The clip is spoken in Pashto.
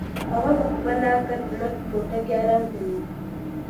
هغه په خپله کټ مټ کوټه کې ارام کوي.